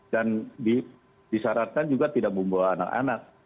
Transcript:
dan disarankan juga tidak membawa anak anak